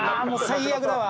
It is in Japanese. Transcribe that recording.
最悪だよ。